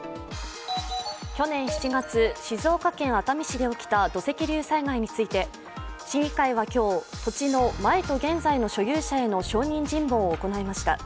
去年７月、静岡県熱海市で起きた土石流災害について市議会は今日土地の前と現在の所有者への証人尋問を行いました。